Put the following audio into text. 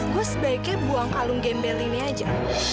gue sebaiknya buang kalung gembel ini aja